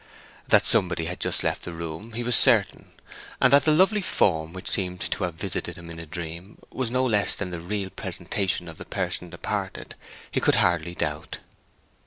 That somebody had just left the room he was certain, and that the lovely form which seemed to have visited him in a dream was no less than the real presentation of the person departed he could hardly doubt.